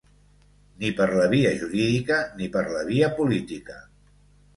Ni per la via jurídica ni per la via política.